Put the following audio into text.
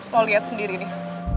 lo liat sendiri nih